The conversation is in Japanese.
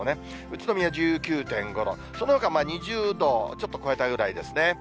宇都宮１９．５度、そのほか２０度ちょっと超えたぐらいですね。